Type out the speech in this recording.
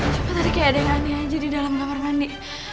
cuma tadi kayak ada yang ngani aja di dalam kamar mandi